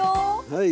はい。